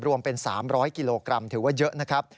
รวมเป็น๓๐๐กิโลกรัมถือว่าเยอะนะครับ